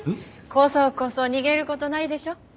コソコソ逃げる事ないでしょ。